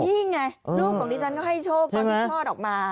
นี่ไงลูกของดิฉันก็ให้โชคตอนที่คลอดออกมา